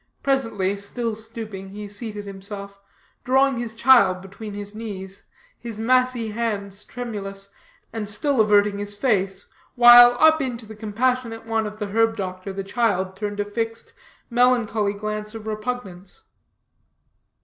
Presently, still stooping, he seated himself, drawing his child between his knees, his massy hands tremulous, and still averting his face, while up into the compassionate one of the herb doctor the child turned a fixed, melancholy glance of repugnance.